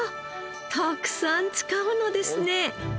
たくさん使うのですね。